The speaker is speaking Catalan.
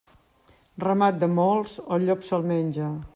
Ramat de molts, el llop se'l menja.